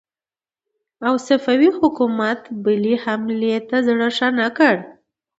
او صفوي حکومت بلې حملې ته زړه ښه نه کړ.